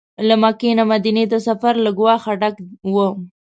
له مکې نه مدینې ته سفر له ګواښه ډک و.